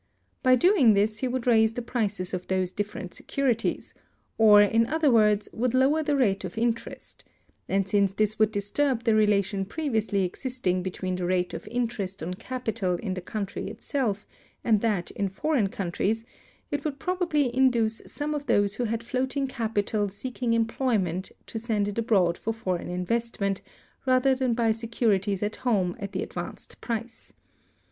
By doing this he would raise the prices of those different securities, or in other words would lower the rate of interest; and since this would disturb the relation previously existing between the rate of interest on capital in the country itself and that in foreign countries, it would probably induce some of those who had floating capital seeking employment to send it abroad for foreign investment, rather than buy securities at home at the advanced price.